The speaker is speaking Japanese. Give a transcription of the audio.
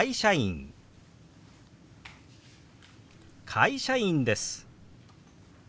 「会社員です」。